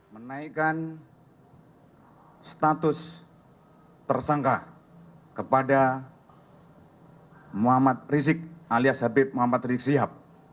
menaikkan status tersangka kepada muhammad rizik alias habib muhammad rizik sihab